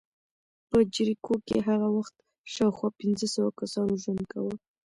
په جریکو کې هغه وخت شاوخوا پنځه سوه کسانو ژوند کاوه